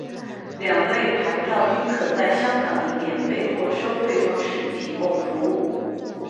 两类牌照均可在香港以免费或收费方式提供服务。